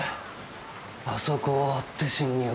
あそこを割って侵入か。